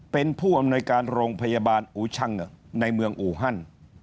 เป็นผู้อำนวยการโรงพยาบาลอูชังในเมืองอูฮัน